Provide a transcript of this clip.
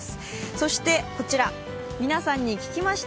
そして、皆さんに聞きました。